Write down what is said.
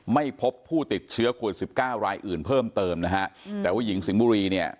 ไม่พบผู้ติดเชื้อโควิดสิบเก้ารายอื่นเพิ่มเติมนะฮะแต่ว่าหญิงสิงห์บุรีเนี่ย